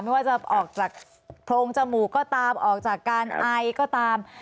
ไม่ว่าจะออกจากโพรงจมูกก็ตามออกจากการไอก็ตาม